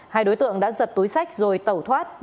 hai đối tượng đã giật túi sách rồi tẩu thoát